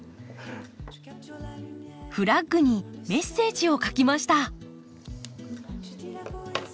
フラッグにメッセージを書きました。